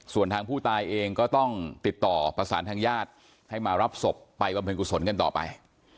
ส่วนทางผู้ตายเองก็ต้องติดต่อประสานทางญาติให้มารับศพไปบำเพ็ญกุศลกันต่อไป